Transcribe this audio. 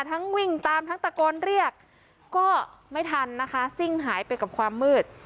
วิ่งตามทั้งตะโกนเรียกก็ไม่ทันนะคะซิ่งหายไปกับความมืด